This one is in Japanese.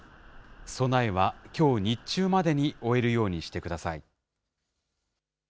備えはきょう日中までに終えるようにしてください。